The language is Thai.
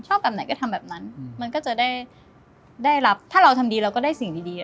แบบไหนก็ทำแบบนั้นมันก็จะได้ได้รับถ้าเราทำดีเราก็ได้สิ่งดี